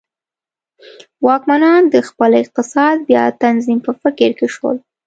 واکمنان د خپل اقتصاد بیا تنظیم په فکر کې شول.